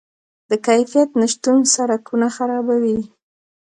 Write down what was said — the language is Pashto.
د کیفیت نشتون سرکونه خرابوي.